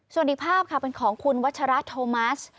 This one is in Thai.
ส่วนอีกภาพค่ะเป็นของคุณวัชระโทมัส